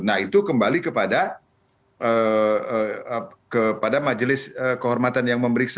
nah itu kembali kepada majelis kehormatan yang memeriksa